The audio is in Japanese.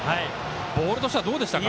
ボールとしてはどうでしたか？